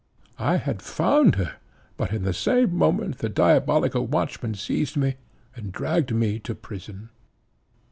I had found her, but in the same moment the diabolical watchmen seized me, and dragged me to prison."